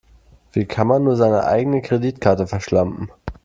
Wie kann man nur seine eigene Kreditkarte verschlampen?